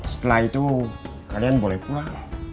setelah itu kalian boleh pulang